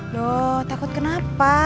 loh takut kenapa